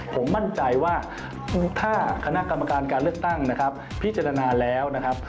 ผมมั่นใจว่าถ้าคณะกรรมการการเลือกตั้งนะครับพิจารณาแล้วนะครับ